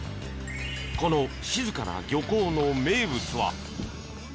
この静かな漁港の名物は。